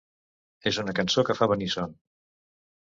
És una cançó que fa venir son.